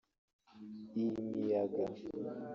imiyaga